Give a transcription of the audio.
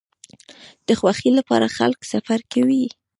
د خوښۍ لپاره خلک سفر کوي.